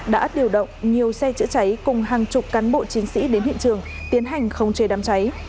đã điều động nhiều xe chữa cháy cùng hàng chục cán bộ chiến sĩ đến hiện trường tiến hành không chế đám cháy